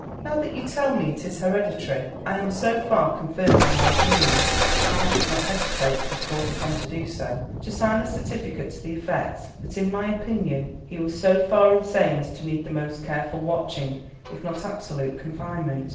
"Now that you tell me it is hereditary, I am so far confirmed in my opinion that I should not hesitate, if called upon to do so, to sign a certificate to the effect that, in my opinion, he was so far insane as to need the most careful watching, if not absolute confinement."